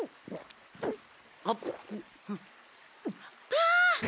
ああ！